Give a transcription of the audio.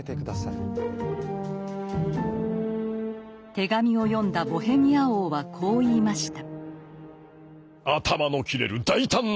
手紙を読んだボヘミア王はこう言いました。